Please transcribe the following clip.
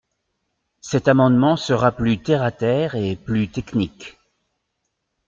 Cet amendement sera plus terre à terre et plus technique.